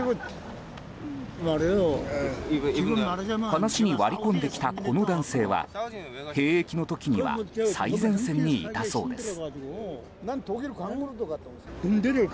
話に割り込んできたこの男性は兵役の時には最前線にいたそうです。